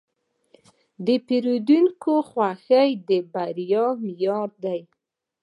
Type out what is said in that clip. د پیرودونکي خوښي د بریا معیار دی.